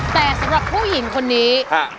แต่สำหรับผู้หญิงคนนี้